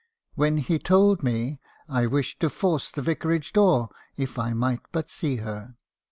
When he told me, I wished. to force the Vicarage door, if I might but see her.